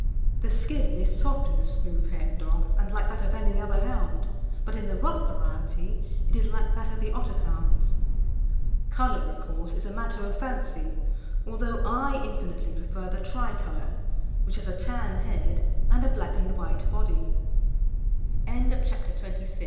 "The skin is soft in the smooth haired dogs, and like that of any other hound, but in the rough variety it is like that of the Otterhound's. "Colour, of course, is a matter of fancy, although I infinitely prefer the tricolour, which has a tan head and a black and